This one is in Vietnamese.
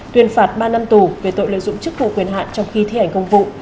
tuyên phạt ba năm tù về tội lợi dụng chức vụ quyền hạn trong khi thi hành công vụ